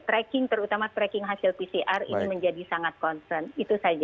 tracking terutama tracking hasil pcr ini menjadi sangat concern itu saja